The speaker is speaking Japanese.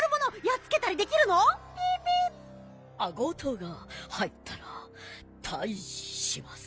あごうとうが入ったらたいじします。